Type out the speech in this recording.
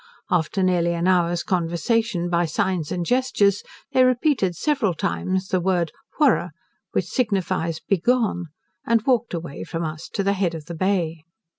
After nearly an hour's conversation by signs and gestures, they repeated several times the word whurra, which signifies, begone, and walked away from us to the head of the Bay.